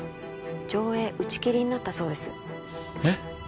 上映打ち切りになったそうですえっ！？